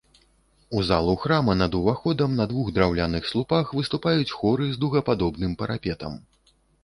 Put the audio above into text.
У залу храма над уваходам на двух драўляных слупах выступаюць хоры з дугападобным парапетам.